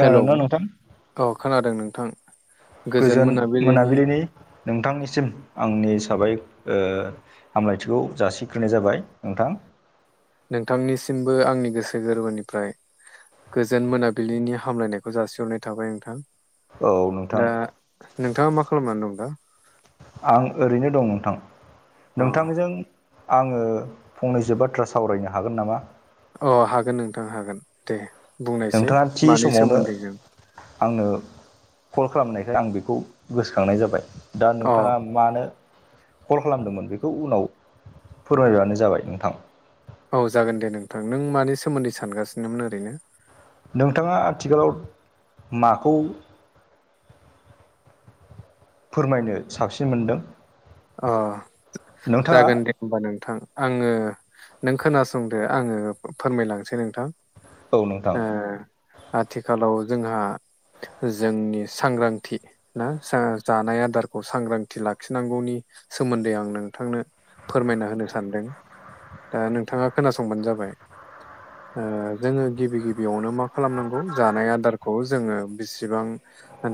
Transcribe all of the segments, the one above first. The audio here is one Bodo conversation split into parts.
हेल' नोंथां अ खोनादों नोंथां गोजोन मोनाबिलिनि नोंथांनिसिम आंनि हिसाबै ओ हामलायथिखौ जासिग्रोनाय जाबाय नोंथां। नोंथांनिसिमबो आंनि गोसो गोरबोनिफ्राय गोजोन मोनाबिलिनि हामलायनायखौ जासिहरनाय थाबाय नोंथां। औ नोंथां दा नोंथांङा मा खालामनानै दं दा? आं ओरैनो दं। नोंथां अ नोंथांजों आङो फंनैसो बाथ्रा सावरायनो हागोन नामा? अ हागोन नोंथां हागोन दे बुंनायसै नोंथाङा थि मानि समावनो सोमोन्दै जों आंनो कल खालामनायखाय आं बेखौ गोसोखांनाय जाबाय दा अ नोंथांङा मानो कल खालामदोंमोन बेखौ उनाव फोरमायबानो जाबाय नोंथां? औ जागोन दे नोंथां नों मानि सोमोन्दै सानगासिनोमोन ओरैनो नोंथांङा आथिखालाव माखौ फोरमायनो साबसिन मोनदों? अ नोंथाङा जागोन दे। होमबा नोंथां आंङो नों खोनासंदो आंङो फोरमायलांसै नोंथां। औ नोंथां ओ आथिखालाव जोंहा जोंनि सांग्रांथि ना जानाय आदारखौ सांग्रांथि लाखिनांगौनि सोमोन्दै आं नोंथांनो फोरमायना होनो सानदों? दा नोंथांङा खोनासंबानो जाबाय। ओ जोंङो गिबि गिबियावनो मा खालामनांगौ जानाय आदारखौ जोंङो बिसिबां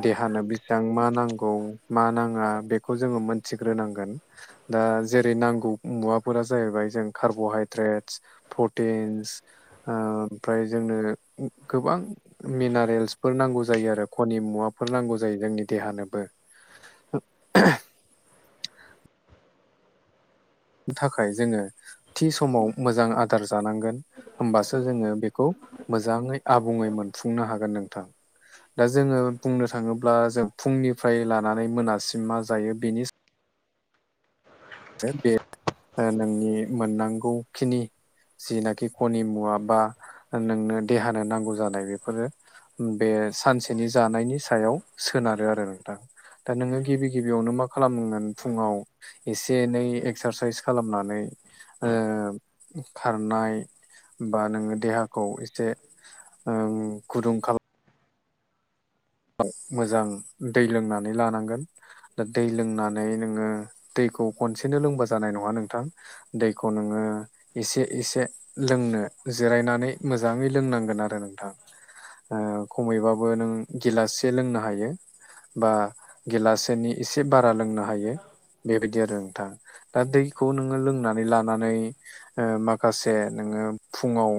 देहानो बेसेबां मा नांगौ मा नांङा बेखौ जोंङो मोनथिग्रोनांगोन। दा जेरै नांगौ मुवाफोरा जाहैबाय जों कार्बहायद्रेट। प्रटिन्स ओमफ्राय जोंनो गोबां। मिनारेल्सफोर नांगौ जायो आरो खनि मुवाफोर नांगौ जायो जोंनि देहानोबो। [unintelligible] [inaudible] -' थाखाय जोंङो थि समाव मोजां आदार जानांगोन। होमबासो जोङो बेखौ मोजाङै आबुङै मोनफुंनो हागोन नोंथां। दा जोङो बुंनो थाङोब्ला जों फुंनिफ्राय लानानै मोनासिम मा जायो बेनि बे ओ नोंनि मोननांगौखिनि जिनाखि खनि मुवा बा नोंनो देहानो नांगौ जानाय बेफोरो बे सानसेनि जानायनि सायाव सोनारो आरो नों दा दा नोङो गिबि गिबियावनो मा खालामगोन फुङाव एस एनै एक्सारसाइस खालामनानै ओ खारनाय बा नोङो देहाखौ एसे ओम गुदुं खालाम मोजां दै लोंनानै लानांगोन दा दै लोंनानै नोङो दैखौ खनसेनो लोंबा जानाय नङा नोंथां। दैखौनोङ एसे एसे लोंनो जिरायनानै मोजाङै लोंनांगोन आरो नोंथां खमैबाबो नों गिलाससो लोंनो हायो बा गिलासेोनि एसे बारा लोंनो हायो। बेबायदि आरो नोंथां दा दैखौ नोङो लोंनानै लानानै। माखासे नोङो फुङाव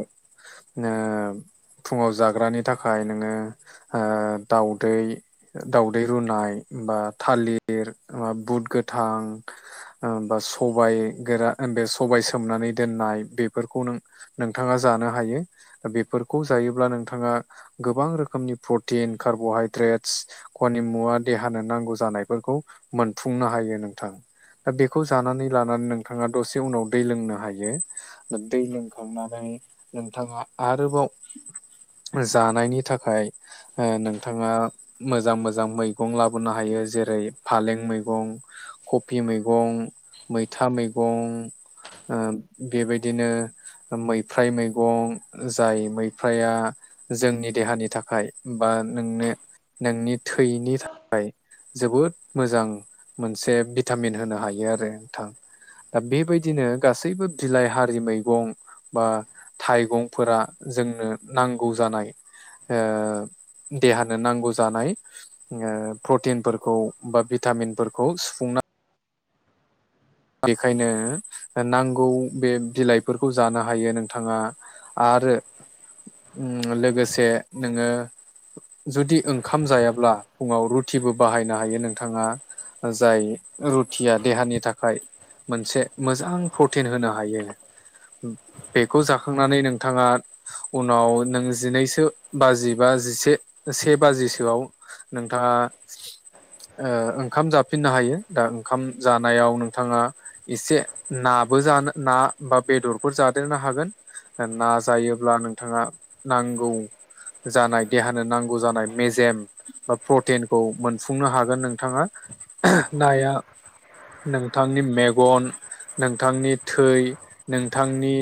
फुङाव जाग्रानि थाखाय नोङो दाउदै दाावदै रुनाय बा थालिर मा बुट गोथां बा सब गोरा बे सबाय सोमनानै दोननाय बेफोरखौ नों नोंथाङा जानो हायो बेफोरखौ जायोब्ला नोंथाङा गोबां रोखोमनि प्रटिन कार्ब'हायद्रेटस खनिमुवा देहानो नांगौ जानायफोरखौ मोनफुंनो हायो नोंथां दा बेखौ जानानै लानानै नोंथाङा दसे उनाव दै लोंनो हायो दै लोंखांनानै नोंथाङा आरोबाव। जानायनि थाखाय नोंथाङा मोजां मोजां मैगं लाबोनो हायो जेरै फालें मैगं कबि मैगं मैथा मैगं बेबायदिनो मैफ्रायाय मैगं जाय मैफ्राया जोंनि देहानि थाखाय थाखाय बा नोंनो नोंनि थैनि थाखाय जोबोद मोजां मोनसे भिटामिन होनो हायो आरो नोंथां। दा बेबायदिनो गासैबो बिलाइ हारि मैगं बा थाइगंफोरा जोंनो नांगौ जानाय देहानो नांगौ जानाय प्रटिनफोरखौ बा भिटामिनफोरखौ सुफुंनानै बेखायनो नांगौ बे बिलाइफोरखौ जानो हायो नोंथाङा आरो लोगोसे नोङो जुदि ओंखाम जायाब्ला फुङाव रुथिबो बाहायनो हायो नोंथाङा जाय रुथिया देहानि थाखाय मोनसे मोजां प्रटिन होनो हायो बेखौ जाखांनानै नोंथाङा उनाव नों जिनैसो बाजि बा जिसे से बाजिसोआव नोंथाङा ओंखाम जाफिननो हायो दा ओंखाम जानायाव नों नथाङा एसे नाबो जानो ना बा बेदरफोर जादेरनो हागोन नाजायोब्ला नोंथाङा नांगौ जानाय देहानो नांगौ जानाय मेजेम बा प्रटिनखौ मोनफुंनो हागोन नोंथाङा नाया नोंथांनि मेगन नोंथांनि थै नोंथांनि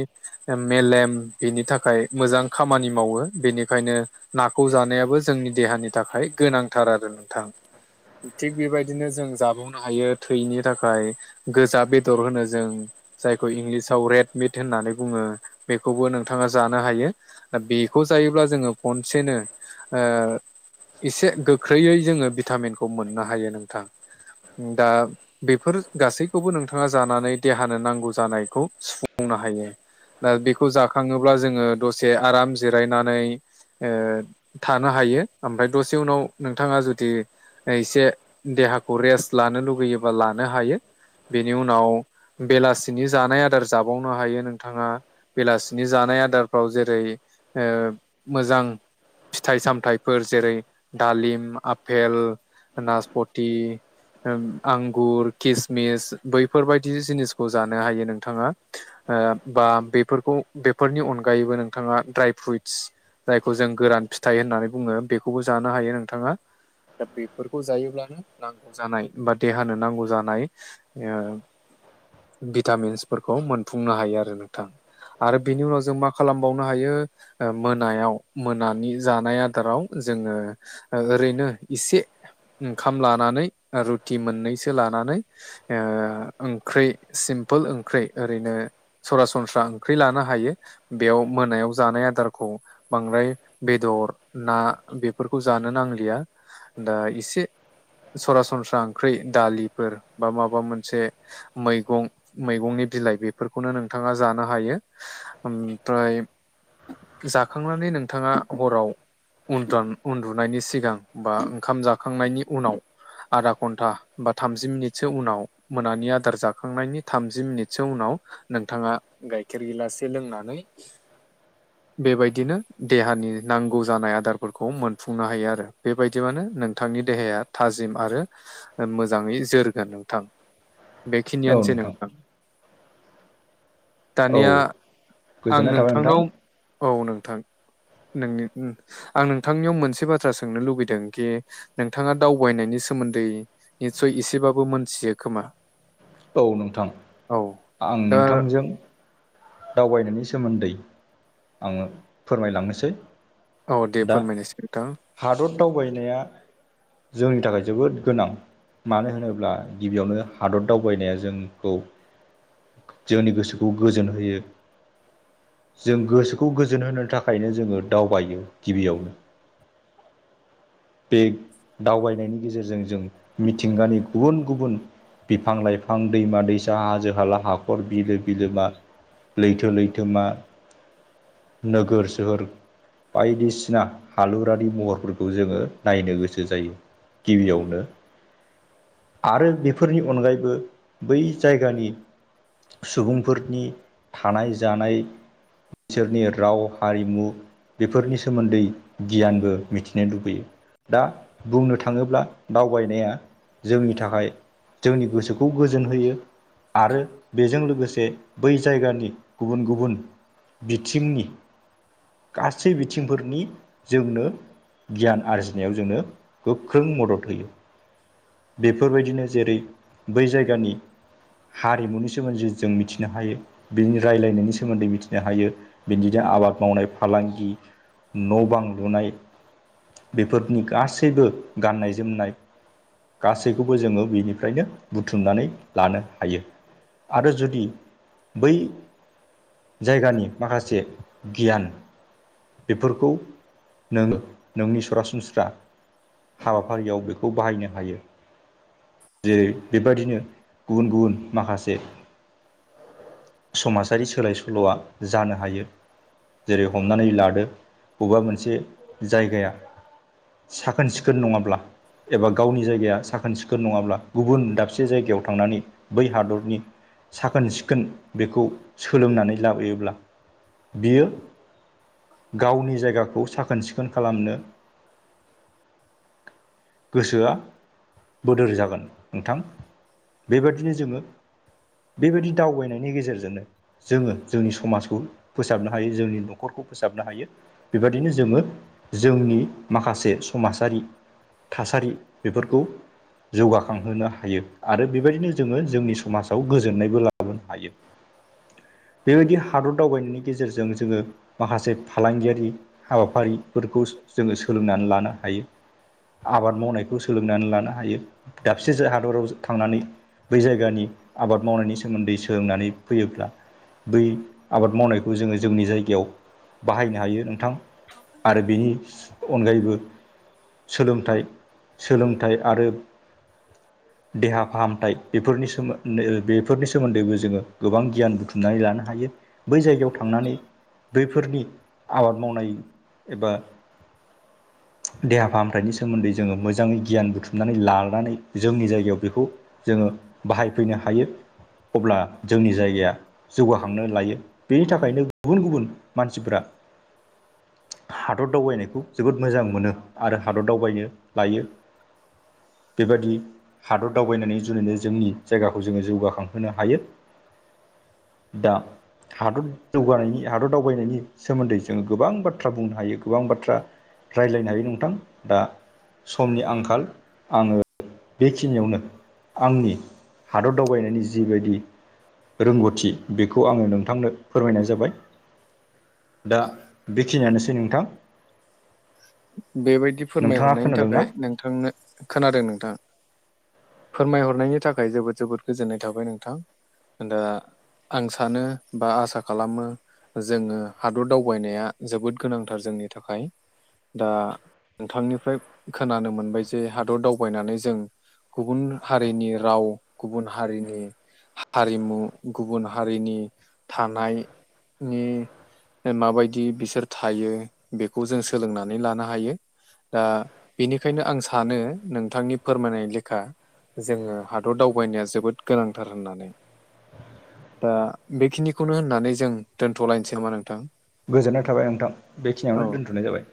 मेलेम बिनि थाखाय मोजां खामानि मावो बेनिखायनो नाखौ जानायाबो जोंनि देहानि थाखाय गोनांथार आरो नोंथां। थिग बेबायदिनो जों जाबावनो हायो थैनि थाखाय। गोजा बेदर होनो जों। जायखौ इंलिसाव रेड मिट होननानै बुङो बेखौबो नोंथाङा जानो हायो। बेखौ जायोब्ला जोङो खनसेनो ओ एसे गोख्रैयै जोङो भिटामिनखौ मोननो हायो नोंथां। दा बेफोर गासैखौबो नोंथाङा जानानै देहानो नांगौ जानायखौ सुफुंनो हायो। दा बेखौ जाखाङोब्ला जोङो दसे आराम जिरायनानै ओ थानो हायो ओमफ्राय दसे उनाव नोंथाङा जुदि एसे देहाखौ रेस्ट लानो लुुबैयोबा लानो हायो। बेनि उनाव बेलासिनि जानाय आदार जाबावनो हायो नोंथाङा। बेलासिनि जानाय आदारफ्राव जेरै मोजां फिथाइ सामथाइफोर जेरै दालिम आफेल नासपथि आंगुर किसमिस बैफोरबायदि जिनिसखौ जानो हायो नोंथाङा। बा बेफोरखौ बेफोरनि अनगायैबो नोंथाङा दड्राय फ्रुइटस जायखौ जों गोरान फिथाइ होननानै बुङो बेखौबो जानो हायो नोंथाङा। दा बेफोरखौ जायोब्लानो नांगौ जानाय बा देहानो नांगौ जानाय भिटामिन्सफोरखौ मोनफुंनो हायो आरो नोंथां। आरो बिनि उनाव जों मा खालामबावनो हायो मोनायाव मोनानि जानाय आदाराव जोङो ओरैनो इसे ओंखाम लानानै रुटि मोननैसो लानानै ओ ओंख्रै सिम्पोल ओंख्रै ओरैनो सरासनस्रा ओंख्रि लानो हायो बेयाव मोनायाव जानाय आदारखौ। बांद्राय बेदर ना बेफोरखौ जानो नांलिया। दा इसे सरासनस्रा ओंख्रि दालिफोर बा माबा मोनसे मैगं मैगंनि बिलाइ बेफोरखौनो नोंथाङा जानो हायो। ओमफ्राय जाखांनानै नोंथाङा हराव उन्द उन्दुनायनि सिगां बा ओंखाम जाखांनायनि उनाव आधा घन्टा बा थामजि मिनिट सो उनाव मोनानि आदार जाखांनायनि थामजि मिनिटसो उनाव नोंथाङा गाइखेर गिलासे लोंनानै [inaudible] बेबायदिनो देहानि नांगौ जानाय आदारफोरखौ मोनफुंनो हायो आरो बेबायदिबानो नों नोंथांनि देहाया थाजिम आरो मोजाङै जोर गोन नोंथां बेखिनियानोसै नोंथां। औ दानिया आं गोजोननाय थाबाय नोंथां नोंथांनाव औ नोंथां। नोंनि आं नोंथांनियाव मोनसे बाथ्रा सोंनो लुबैदों खि नोंथाङा दावबायनायनि सोमोन्दै निसय एसेबाबो मोनथियो खोमा। औ नोंथां औ आं दा नोंथांजों दावबायनायनि सोमोन्दै आङो फोरमायलांनोसै। औ दे दा फोरमायनोसै नोंथां। हादर दावबायनाया जोंनि थाखाय जोबोद गोनां। मानो होनोब्ला गिबियावनो हादर दावबायनाया जोंखौ जोंनि गोसोखौ गोजोन होयो। जों गोसोखौ गोजोन होनो थाखायनो जोङो दावबायो गिबियावनो। बे दावबायनायनि गेजेरजों जों मिथिंगानि गुबुन गुबुन बिफां-लाइफां, दैमा-दैसा, हाजो-हाला, हाखर, बिलो-बिलोमा लैथो-लैथोमा नोगोर सोहोर बायदिसिना हालुरारि महरफोरखौ जोङो नायनो गोसो जायो। गिबियावनो आरो बेफोरनि अनगायैबो बै जायगानि सुबुंफोरनि थानाय जानाय बिसोरनि राव हारिमु बेफोरनि सोमोन्दै गियानबो मिथिनो लुबैयो दा बुंनो थाङोब्ला दावबायनाया जोंनि थाखाय जोंनि गोसोखौ गोजोन होयो आरो बेजों लोगोसे बै जायगानि गुबुन गुबुन बिथिंनि गासै बिथिंफोरनि जोंनो गियान आरजिनायाव जोंनो गोख्रों मदद होयो बेफोरबायदिनो जेरै बै जायगानि हारिमुनि सोमोन्दै जों मिथिनो हायो बिनि रायजलायनायनि सोमोन्दै मिथिनो हायो बिदिनो आबाद मावनाय फालांगि न' बां लुनाय बेफोरनि गासैबो गाननाय जोमनाय गासैखौबो जोङो बेनिफ्रायनो बुथुमनानै लानो हायो आरो जुदि बै जायगानि माखासे गियान बेफोरखौ नोंङो नोंनि सरासनस्रा हाबाफारियाव बेखौ बाहायनो हायो जेरै बेबादिनो गुबुन गुबुन माखासे समाजारि सोलाय सोल'आ जानो हायो जेरै हमनानै लादो बबेबा मोनसे जायगाया साखोन सिखोन नङाब्ला एबा गावनि जायगाया साखोन सिखोन नङाब्ला गुबुन दाबसे जायगायाव थांनानै बै हादरनि साखोन सिखोन बेखौ सोलोंनानै लाबोयोब्ला बियो गावनि जायगाखौ साखोन सिखोन खालामनो गोसोआ बोदोर जागोन नोंथां बेबायदिनो जोङो बेबायदि दावबायनायनि गेजेरजोंनो जोङो जोंनि समाजखौ फोसाबनो हायो जोंनि न'खरखौ फोसाबनो हायो बेबदिनो जोङो जोंनि माखासे समाजारि थासारि बेफोरखौ जौगाखांहोनो हायो आरो बेबायदिनो जोङो जोंनि समाजाव गोजोननायबो लाबोनो हायो बेबायदि हादर दावबायनायनि गेजेरजों जोङो माखासे फालांगियारि हाबाफारिफोरखौ जोङो सोलोंनानै लानो हायो आबाद मावनायखौ सोलोंनानै लानो हायो दाबसे हादराव थांनानै बै जायगानि आबाद मावनायनि सोमोन्दै सोलोंनानै फैयोब्ला बै आबाद मावनायखौ जोङो जोंनि जायगायाव बाहायनो हायो नोंथां आरो बेनि अनगायैबो सोलोंथाइ सोलोंथाइ आरो [inaudible] देहा फाहामथाय बेफोरनि सोम ओ बेफोरनि सोमोन्दैबो जोङो गोबां गियान बुथुमनानै लानो हायो बै जायगायाव थांनानै बैफोरनि आबाद मावनाय एबा [inaudible] देहा फाहामथायनि सोमोन्दै जोङो मोजाङै गियान बुथुमनानै लानानै जोंनि जायगायाव बेखौ जोङो बाहायफैनो हायो अब्ला जोंनि जायगाया जौगाखांनो लायो बेनि थाखायनो गुबुन गुबुन मानसिफोरा हादर दावबायनायखौ जोबोद मोजां मोनो आरो हादर दावबायनो लायो बेबायदि हादर दावबायनायनि जुनैनो जोंनि जायगाखौ जोङो जौगाखांहोनो हायो दा हादर जौगानायनि हादर दावबायनायनि सोमोन्दै जोङो गोबां बाथ्रा बुंनो हायो गोबां बाथ्रा रायज्लायनो हायो नोंथां दा समनि आंखाल आङो बेखिनियावनो आंनि हादर दावबायनायनि जिबायदि रोंगौथि बेखौ आङो नोंथांनो फोरमायनाय जाबाय। दा बेखिनियानोसै नोंथां। बेबायदि नोंथाङा फोरमायहरनायनि खोनादोंना थाखाय नोंथांनो, खोनादों नोंथाङा? फोरमायहरनायनि थाखाय जोबोद जोबोद गोजोननाय थाबाय नोंथां। दा आं सानो बा आसा खालामो जोङो हादर दावबायनाया जोबोद गोनांथार जोंनि थाखाय दा नोंथांनिफ्राय खोनानो मोनबाय जे हादर दावबायनानै जों गुबुन हारिनि राव गुबुन हारिनि हारिमु गुबुन हारिनि थानायनि माबायदि बिसोर थायो बेखौ जों सोलोंनानै लानो हायो। दा बेनिखायनो आं सानो नोंथांनि फोरमायनाय लेखा जोङो हादर दावबायनाया जोबोद गोनांथार होननानै दा बेखिनिखौनो होननानै जों दोनथ'लायनोसै नामा नोंथां? गोजोननाय थाबाय नोंथां औ बेखिनियावनो दोन्थ'नाय जाबाय।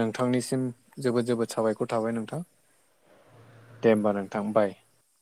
नोंथांनिसिम जोबोद जोबोद साबायखर थाबाय नोंथां दे होमबा नोंथां बाय।